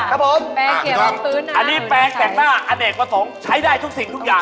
อันนี้แป้งและสงคับแต้นหน้าอันแรกมาทั้ง๒ใช้ได้ทุกสิ่งทุกอย่าง